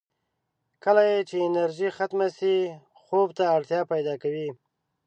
کله یې چې انرژي ختمه شي، خوب ته اړتیا پیدا کوي.